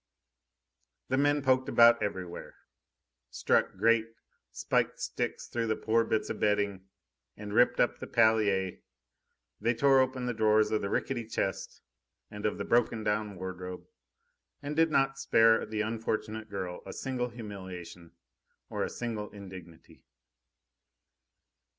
The men poked about everywhere, struck great, spiked sticks through the poor bits of bedding, and ripped up the palliasse. They tore open the drawers of the rickety chest and of the broken down wardrobe, and did not spare the unfortunate young girl a single humiliation or a single indignity.